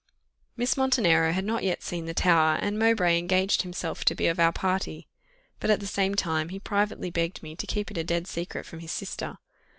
Miss Montenero had not yet seen the Tower, and Mowbray engaged himself to be of our party. But at the same time, he privately begged me to keep it a dead secret from his sister.